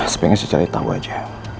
supaya saya cari tahu aja